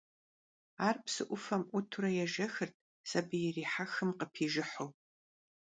Ar psı 'ufem 'uture yêjjexırt, sabiy yirihexım khıpijjıhu.